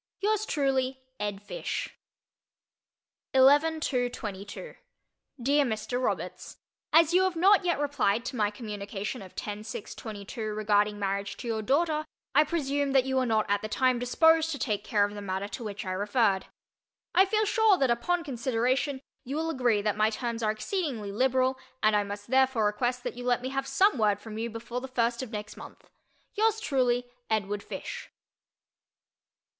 Yours truly, ED. FISH. 11 2 22 DEAR MR. ROBERTS: As you have not as yet replied to my communication of 10 6 22 regarding marriage to your daughter, I presume that you were not at the time disposed to take care of the matter to which I referred. I feel sure that upon consideration you will agree that my terms are exceedingly liberal and I must therefore request that you let me have some word from you before the first of next month. Yours truly, EDWARD FISH.